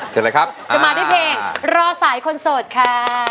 เจออะไรครับจะมาถึงเพลงรอสายคนโสดค่ะ